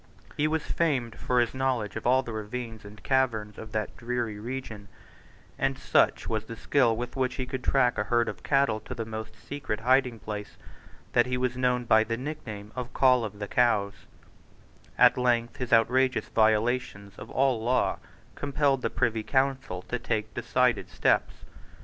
He was famed for his knowledge of all the ravines and caverns of that dreary region; and such was the skill with which he could track a herd of cattle to the most secret hidingplace that he was known by the nickname of Coll of the Cows, At length his outrageous violations of all law compelled the Privy Council to take decided steps.